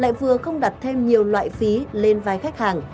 lại vừa không đặt thêm nhiều loại phí lên vai khách hàng